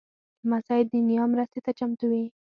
لمسی د نیا مرستې ته چمتو وي.